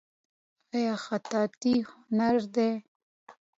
آیا خطاطي هنر دی؟